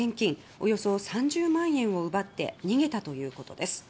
およそ３０万円を奪って逃げたということです。